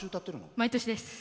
毎年です。